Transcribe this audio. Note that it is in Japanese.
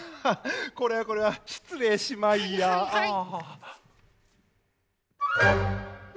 これはこれはしつれいしマイヤーあっ。